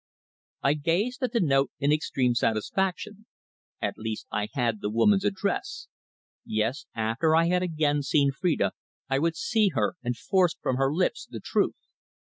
I gazed at the note in extreme satisfaction. At least, I had the woman's address. Yes, after I had again seen Phrida I would see her and force from her lips the truth.